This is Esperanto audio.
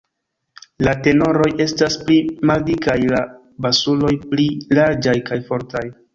La tenoroj estas pli maldikaj, la basuloj pli larĝaj kaj fortaj.